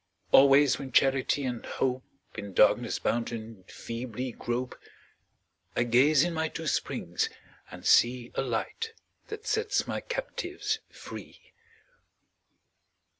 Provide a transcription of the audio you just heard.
Always when Charity and Hope, In darkness bounden, feebly grope, I gaze in my two springs and see A Light that sets my captives free.